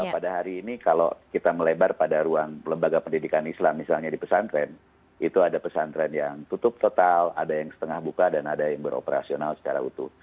pada hari ini kalau kita melebar pada ruang lembaga pendidikan islam misalnya di pesantren itu ada pesantren yang tutup total ada yang setengah buka dan ada yang beroperasional secara utuh